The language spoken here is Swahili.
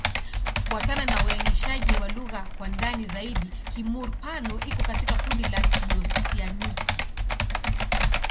Kufuatana na uainishaji wa lugha kwa ndani zaidi, Kimur-Pano iko katika kundi la Kioseaniki.